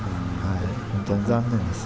本当に残念です。